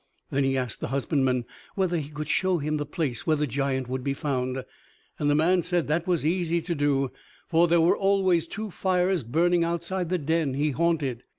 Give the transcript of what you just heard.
Then he asked the husbandman whether he could show him the place where the giant would be found, and the man said that was easy to do, for there were always two fires burning outside the den he haunted.